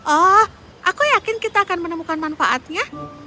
oh aku yakin kita akan menemukan manfaatnya